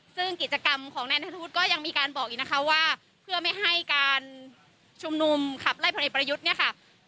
ซึ่งกิจกรรมของนายนัทธวุฒิก็ยังมีการบอกอีกนะคะว่าเพื่อไม่ให้การชุมนุมขับไล่พลเอกประยุทธ์เนี่ยค่ะ